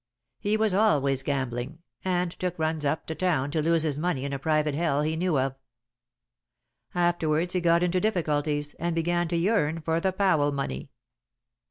He was always gambling, and took runs up to town to lose his money in a private hell he knew of. Afterwards he got into difficulties, and began to yearn for the Powell money.